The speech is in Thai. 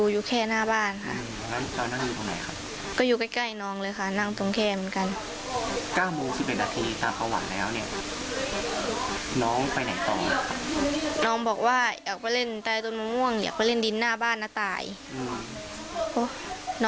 อยู่ตรงนั้น